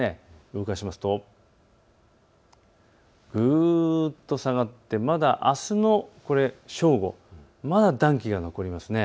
動かしますとぐっと下がってあすの正午、まだ暖気が残りますね。